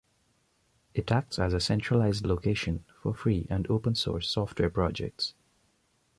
It acts as a centralized location for free and open-source software projects.